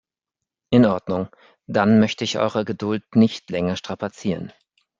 In Ordnung, dann möchte ich eure Geduld nicht länger strapazieren.